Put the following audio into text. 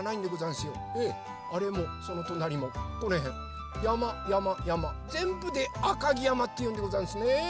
ええあれもそのとなりもこのへんやまやまやまぜんぶであかぎやまっていうんでござんすねえ。